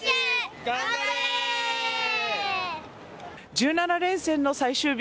１７連戦の最終日